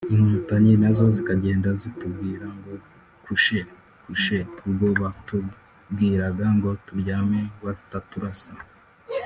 Inkotanyi nazo zikagenda zitubwira ngo kushe(couche) ubwo batubwiraga ngo turyame bataturasa